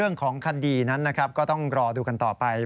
เรื่องของคดีนั้นนะครับก็ต้องรอดูกันต่อไป